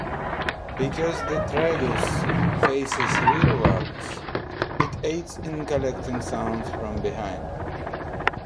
Because the tragus faces rearwards, it aids in collecting sounds from behind.